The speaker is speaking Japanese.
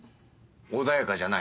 穏やかじゃないね。